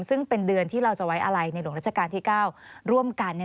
ซึ่งเป็นเดือนที่เราจะไว้อะไรในหลวงราชการที่๙ร่วมกัน